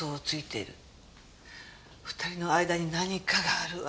２人の間に何かがあるわ。